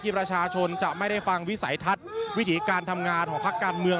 ประชาชนจะไม่ได้ฟังวิสัยทัศน์วิถีการทำงานของพักการเมือง